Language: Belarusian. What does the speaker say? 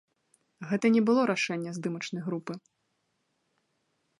Гэта не было рашэнне здымачнай групы.